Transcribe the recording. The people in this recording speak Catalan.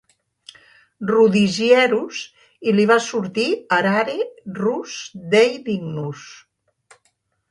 Rudigierus» i li va sortir «arare rus Dei dignus».